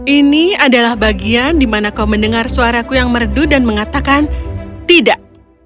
ini adalah bagian di mana kau mendengar suaraku yang merdu dan mengatakan tidak